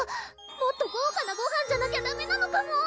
もっと豪華なごはんじゃなきゃダメなのかも？